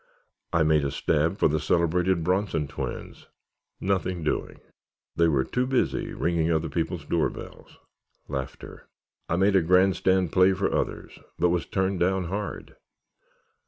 I made a stab for the celebrated Bronson twins—nothing doing. They were too busy ringing other people's doorbells. I made a grandstand play for others, but was turned down hard.